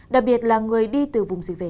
đặc biệt là người đi từ vùng dịch về